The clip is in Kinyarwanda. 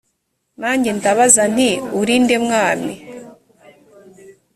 nanjye ndabaza nti uri nde mwami